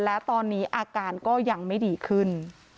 และตอนนี้อาการก็ยังไม่ดีขึ้น